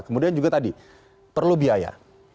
kemudian juga tadi perlu biaya